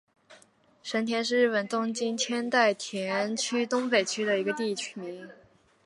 神田是日本东京都千代田区东北部的一个地名。